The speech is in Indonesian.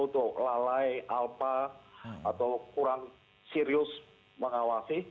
atau lalai alpa atau kurang serius mengawasi